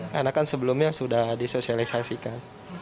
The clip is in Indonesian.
karena kan sebelumnya sudah disosialisasikan